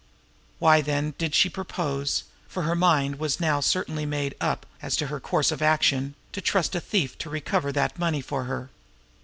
Why, then, did she propose, for her mind was now certainly made up as to her course of action, to trust a thief to recover that money for her?